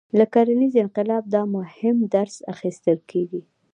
له کرنیز انقلاب دا مهم درس اخیستل کېږي.